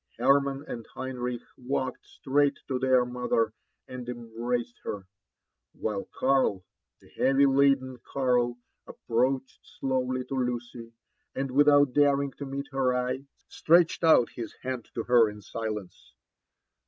Hermann and Henrich walked straight to their mother and embraced her ; while Karl, the heavy laden Karl, approached slowly to Lucy, and, without daring to meet her eye, stretched out his hand to her in silence.